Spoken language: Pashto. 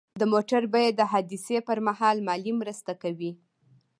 د موټر بیمه د حادثې پر مهال مالي مرسته کوي.